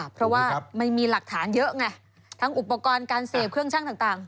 เพราะว่ามันมีหลักฐานเยอะไงทั้งอุปกรณ์การเสพเครื่องชั่งต่าง